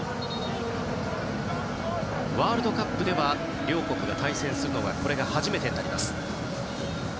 ワールドカップでは両国が対戦するのはこれが初めてになります。